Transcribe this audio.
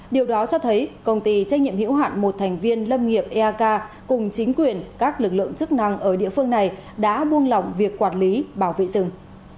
điều đó cho thấy công ty trách nhiệm hiểu hạn một thành viên lâm nghiệp eak cùng chính quyền các lực lượng chức năng ở địa phương này đã buông lỏng việc quản lý bảo vệ rừng